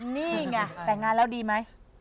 นี่ไงแต่งงานแล้วดีไหม